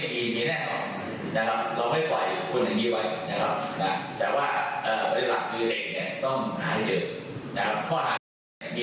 วันนั้นวันนี้น้ำหนักสนุนก็มาอยู่ไปอยู่